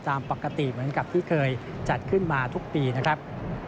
ตามปกติเหมือนกับที่เคยจัดขึ้นมาทุกปีนะครับ